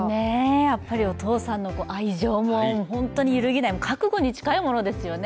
やっぱりお父さんの愛情も本当に揺るぎない覚悟に近いものですよね。